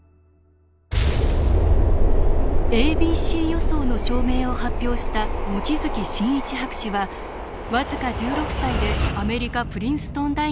ａｂｃ予想の証明を発表した望月新一博士は僅か１６歳でアメリカプリンストン大学に入学。